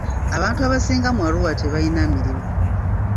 Abantu abasinga mu Arua tebalina mirimu.